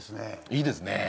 いいですね！